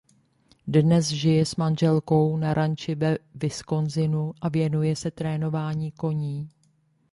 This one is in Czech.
Dnes žije s manželkou na ranči ve Wisconsinu a věnuje se trénování koní.